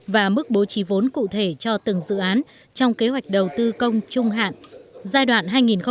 và mức bố trí vốn cụ thể cho từng dự án trong kế hoạch đầu tư công trung hạn giai đoạn hai nghìn hai mươi một hai nghìn hai mươi